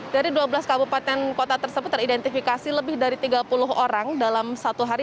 dari dua belas kabupaten kota tersebut teridentifikasi lebih dari tiga puluh orang dalam satu hari